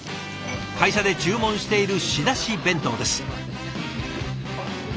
会社で注文している仕出し弁当です。